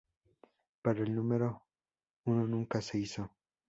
Para el número uno nunca se hizo.